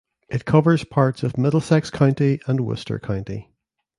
It covers parts of Middlesex County and Worcester County.